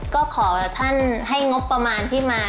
ก็ขอท่านให้งบประมาณที่มา